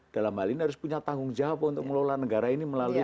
dalam hal ini harus punya tanggung jawab untuk mengelola negara ini melalui